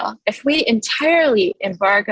jika kita memperbaiki